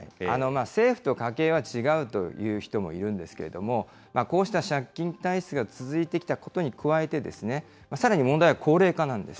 政府と家計は違うと言う人もいるんですけれども、こうした借金体質が続いていたことに加え、さらに問題は高齢化なんです。